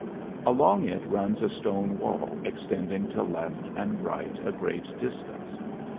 Along it runs a stone wall extending to left and right a great distance.